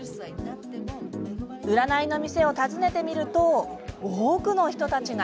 占いの店を訪ねてみると多くの人たちが。